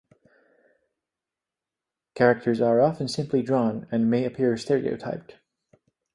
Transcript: Characters are often simply drawn, and may appear stereotyped.